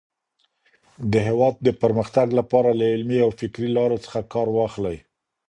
د هېواد د پرمختګ لپاره له علمي او فکري لارو څخه کار واخلئ.